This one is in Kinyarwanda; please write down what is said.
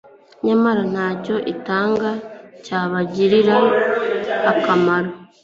nyamara ntacyo itanga cyabagirira akamaro